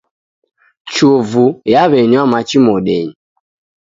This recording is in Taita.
Chovu yaw'enywa machi modenyi.